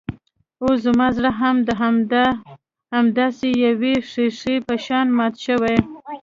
اوس زما زړه هم د همداسې يوې ښيښې په شان مات شوی.